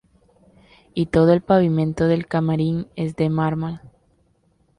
Y todo el pavimento del camarín es de mármol.